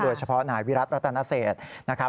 โดยเฉพาะหน้าวิรัติรัตนเสช